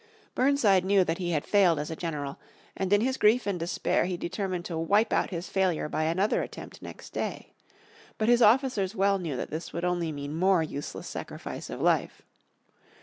Burnside knew that he had failed as a general, and in his grief and despair he determined to wipe out his failure by another attempt next day. But his officers well knew that this would only mean more useless sacrifice of life.